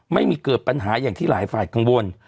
ไม่มีเกิดปัญหาอย่างที่หลายฝ่ายกังวล